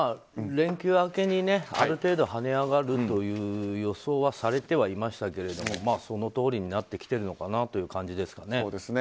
連休明けに、ある程度跳ね上がるという予想はされてはいましたけどもそのとおりになってきてるのかなという感じですかね。